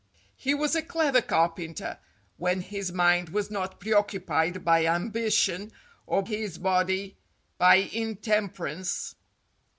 He was a clever carpenter, when his mind was not preoccupied by am bition, or his body by intemperance.